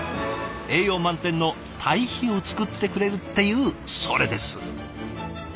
栄養満点の堆肥を作ってくれるっていうそれです。